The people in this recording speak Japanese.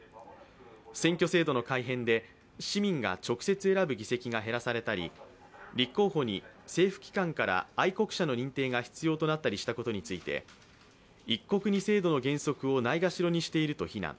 選挙制度の改変で市民が直接選ぶ議席が減らされたり立候補に政府機関から愛国者の認定が必要になったことについて、一国二制度の原則をないがしろにしていると非難。